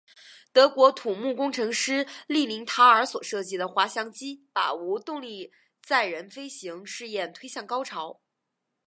德国土木工程师利林塔尔所设计的滑翔机把无动力载人飞行试验推向高潮。